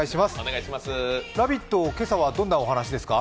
「ラヴィット！」、今朝はどんなお話ですか？